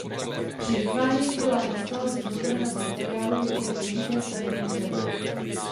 Při vytváření byla instalace zhotovena z materiálů jako je použité stavební dřevo.